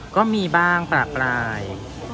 ก็มีบ้างปลาปลาย